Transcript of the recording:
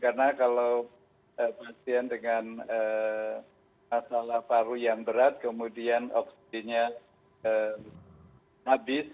karena kalau pasien dengan masalah paru yang berat kemudian oksigennya habis